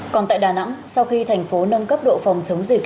còn tại đà nẵng sau khi thành phố nâng cấp độ phòng chống dịch